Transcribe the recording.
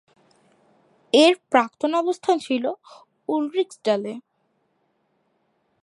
এর প্রাক্তন অবস্থান ছিল উলরিক্সডালে।